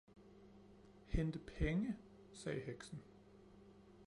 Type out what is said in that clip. "Hente penge!" sagde heksen